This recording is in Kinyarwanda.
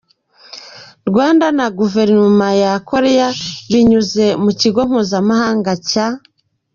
Rwanda na Guverinoma ya Koreya binyuze mu Kigo Mpuzamahanga cya